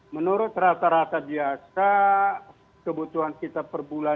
menurut rata rata biasa kebutuhan kita perbudayaan